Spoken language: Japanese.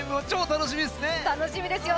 楽しみですよ